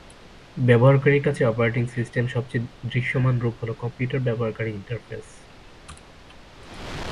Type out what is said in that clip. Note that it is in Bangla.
ব্যবহারকারীর কাছে অপারেটিং সিস্টেমের সবচেয়ে দৃশ্যমান রূপ হল কম্পিউটারের ব্যবহারকারী ইন্টারফেস।